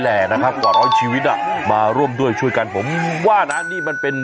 แหละนะครับกว่าร้อยชีวิตอ่ะมาร่วมด้วยช่วยกันผมว่านะนี่มันเป็น